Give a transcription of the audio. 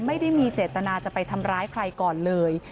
ไม่ได้มีเจตนาจะไปทำร้ายใครก่อนเลย